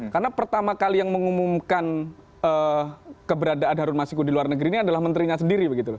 karena pertama kali yang mengumumkan keberadaan harun masiku di luar negeri ini adalah menterinya sendiri